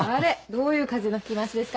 どういう風の吹き回しですか？